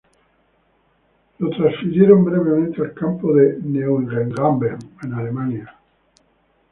Fue transferido brevemente al campo de Neuengamme en Alemania.